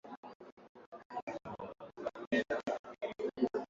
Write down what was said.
Tena ambalo linanitambulisha katika soka alisema Ruge alikuwa na mchango mkubwa sana